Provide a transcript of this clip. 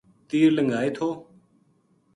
تیر لنگھا ئے تھو